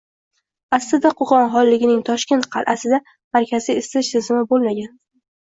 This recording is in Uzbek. Aslida, Qo'qon xonligining Toshkent qal'asida markaziy isitish tizimi bo'lmagan